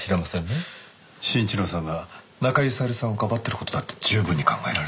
真一郎さんが中井小百合さんをかばっている事だって十分に考えられる。